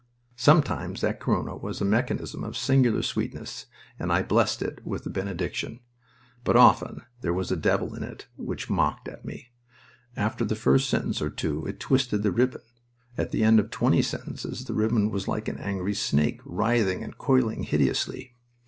Sometimes that Corona was a mechanism of singular sweetness, and I blessed it with a benediction. But often there was a devil in it which mocked at me. After the first sentence or two it twisted the ribbon; at the end of twenty sentences the ribbon was like an angry snake, writhing and coiling hideously.